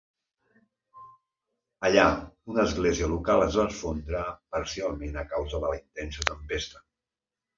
Allà, una església local es va esfondrar parcialment a causa de la intensa tempesta.